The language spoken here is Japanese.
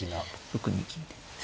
６二金で。